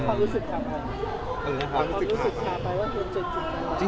ความรู้สึกขาดไปว่าเทมจนจริง